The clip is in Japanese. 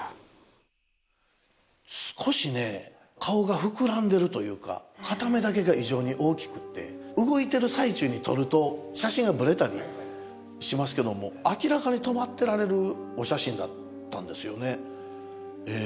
少しね顔が膨らんでるというか片目だけが異常に大きくって動いてる最中に撮ると写真がブレたりしますけども明らかに止まってられるお写真だったんですよね。